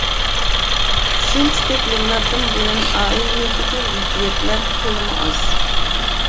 شۇنچە كۆپ يىللاردىن بۇيان ئائىلىمىزدىكى زىددىيەتلەر تولىمۇ ئاز.